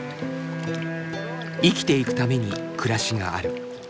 生きていくために暮らしがある。